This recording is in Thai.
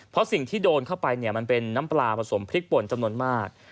เพราะสิ่งที่โดนเข้าไปเนี่ยมันเป็นน้ำปลาผสมพริกป่นจำนวนมาก